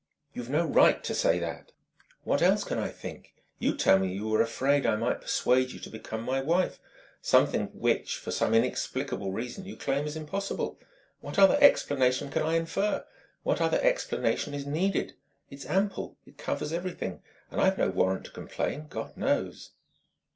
"You've no right to say that " "What else can I think? You tell me you were afraid I might persuade you to become my wife something which, for some inexplicable reason, you claim is impossible. What other explanation can I infer? What other explanation is needed? It's ample, it covers everything, and I've no warrant to complain God knows!"